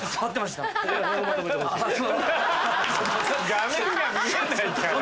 画面が見えないから。